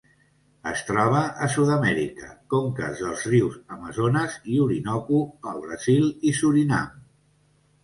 Es troba a Sud-amèrica: conques dels rius Amazones i Orinoco al Brasil i Surinam.